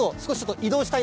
移動？